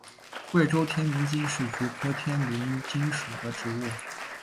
贵州天名精是菊科天名精属的植物。